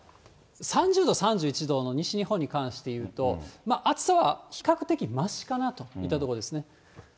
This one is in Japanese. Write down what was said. ただ、３０度、３１度の西日本に関していうと、暑さは比較的ましかなといったところですね。